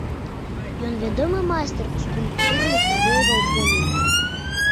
Ён вядомы майстар скульптурных выяваў коней.